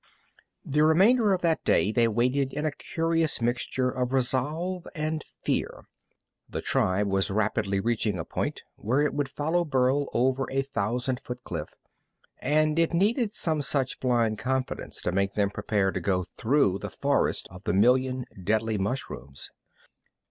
The remainder of that day they waited in a curious mixture of resolve and fear. The tribe was rapidly reaching a point where it would follow Burl over a thousand foot cliff, and it needed some such blind confidence to make them prepare to go through the forest of the million deadly mushrooms.